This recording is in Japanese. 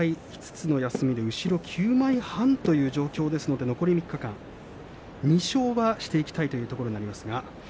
５つの休みで後ろ９枚半という状況ですので残り３日間、２勝はしていきたいというところです。